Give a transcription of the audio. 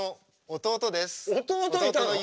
弟です。